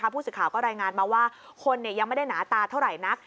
ผู้สื่อข่าวก็รายงานมาว่าคนยังไม่ได้หนาตาเท่าไหร่นัก